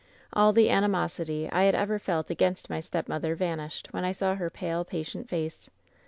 All the animosity I had ever felt against my stepmother vanished when I saw her pale, patient face.